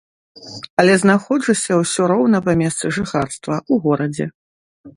Але знаходжуся ўсё роўна па месцы жыхарства, у горадзе.